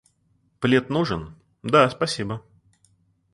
«Плед нужен?» — «Да, спасибо».